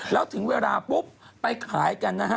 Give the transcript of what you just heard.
แล้วถึงเวลาปุ๊บไปขายกันนะฮะ